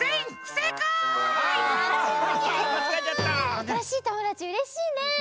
あたらしいともだちうれしいね！